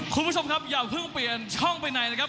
คุณผู้ชมครับอย่าเพิ่งเปลี่ยนช่องไปไหนนะครับ